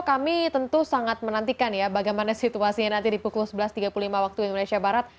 kami tentu sangat menantikan ya bagaimana situasinya nanti di pukul sebelas tiga puluh lima waktu indonesia barat